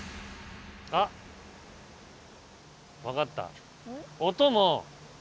あっ分かった。